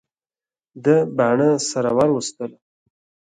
ده باڼه سره ور وستله.